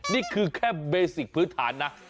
นี่คือแค่เบสิกพื้นฐานนะ